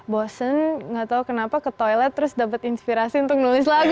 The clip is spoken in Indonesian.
bosen gak tau kenapa ke toilet terus dapat inspirasi untuk nulis lagu